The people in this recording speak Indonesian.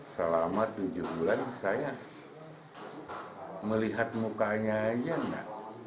selama tujuh bulan saya melihat mukanya aja nggak